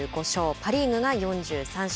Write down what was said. パ・リーグが４３勝。